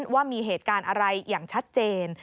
ว่ามีเหตุการณ์อะไรอย่างชัดเจน